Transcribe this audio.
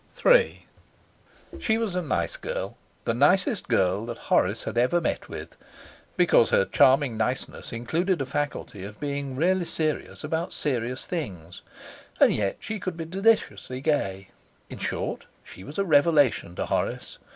III She was a nice girl: the nicest girl that Horace had ever met with, because her charming niceness included a faculty of being really serious about serious things and yet she could be deliciously gay. In short, she was a revelation to Horace.